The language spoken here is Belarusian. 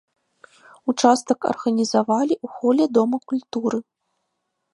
Участак арганізавалі ў холе дома культуры.